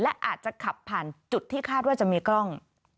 และอาจจะขับผ่านจุดที่คาดว่าจะมีกล้อง